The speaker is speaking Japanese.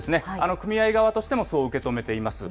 組合側としてもそう受け止めています。